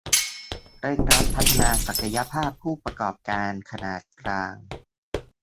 เร่งรัดพัฒนาศักยภาพผู้ประกอบการขนาดกลาง